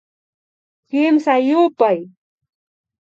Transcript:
Kimsa yupay